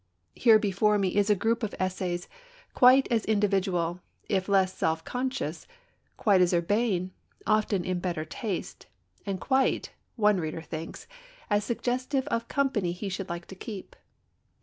Here before me is a group of essays, quite as individual, if less self conscious; quite as urbane, often in better taste; and quite (one reader thinks) as suggestive of company he should like to keep.